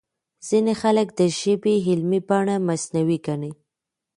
ځينې خلک د ژبې علمي بڼه مصنوعي ګڼي.